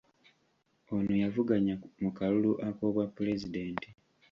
Ono yavuganya mu kalulu ak’obwapulezidenti.